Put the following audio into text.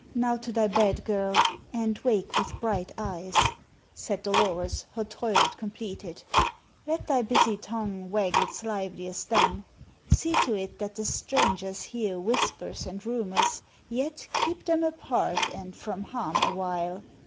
"Now to thy bed, girl, and wake with bright eyes," said Dolores, her toilet completed. "Let thy busy tongue wag its liveliest then; see to it that the strangers hear whispers and rumors, yet keep them apart and from harm a while.